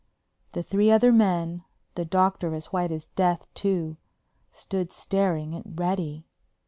The three other men—the Doctor as white as death, too—stood staring at Reddy.